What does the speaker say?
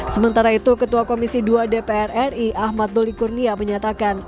sementara itu ketua komisi dua dpr ri ahmad doli kurnia menyatakan